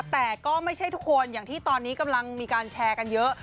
แต่ก็ไม่ใช่ทุกคนอย่างที่ตอนนี้กำลังมีการแชร์กันเยอะ